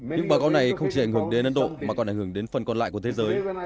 những báo cáo này không chỉ ảnh hưởng đến ấn độ mà còn ảnh hưởng đến phần còn lại của thế giới